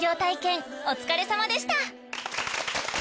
お疲れさまでした。